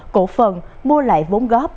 cổ phần mua lại vốn góp